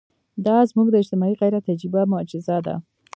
دا زموږ د اجتماعي غیرت عجیبه معجزه ده.